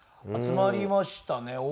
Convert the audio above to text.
集まりましたね。